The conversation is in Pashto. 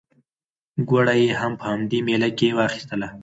ګوړه یې هم په همدې مېله کې واخیستله.